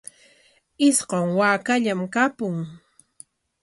Isqun waakallam kapun.